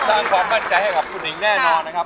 สร้างความมั่นใจให้กับคุณหญิงแน่นอนนะครับ